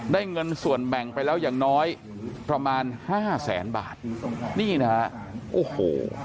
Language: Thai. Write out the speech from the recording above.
เงินส่วนแบ่งไปแล้วอย่างน้อยประมาณห้าแสนบาทนี่นะฮะโอ้โห